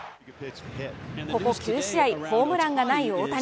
ここ９試合ホームランがない大谷。